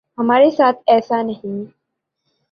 ہمارے ساتھ ایسا نہیں۔